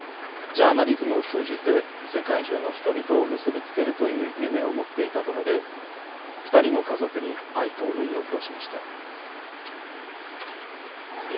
ジャーナリズムを通じて世界中の人々を結び付けるという夢を持っていたと述べ２人の家族に哀悼の意を表しました。